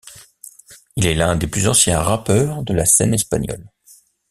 Il est l'un des plus anciens rappeurs de la scène espagnole.